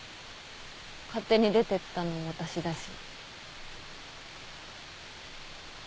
勝手に出てったの私だし。